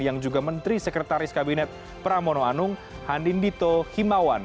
yang juga menteri sekretaris kabinet pramono anung hanindito himawan